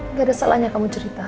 nggak ada salahnya kamu cerita